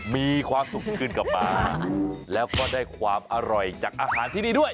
มีความสุขขึ้นกลับมาแล้วก็ได้ความอร่อยจากอาหารที่นี่ด้วย